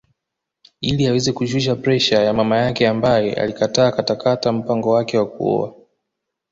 Ili aweze kushusha presha ya mama yake ambaye alikataa katakata mpango wake wa kuoa